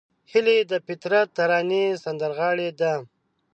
هیلۍ د فطرت ترانې سندرغاړې ده